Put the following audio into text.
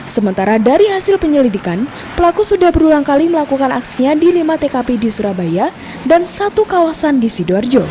sementara dari hasil penyelidikan pelaku sudah berulang kali melakukan aksinya di lima tkp di surabaya dan satu kawasan di sidoarjo